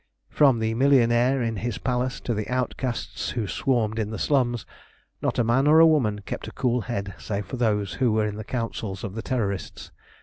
From the millionaire in his palace to the outcasts who swarmed in the slums, not a man or a woman kept a cool head save those who were in the councils of the Terrorists.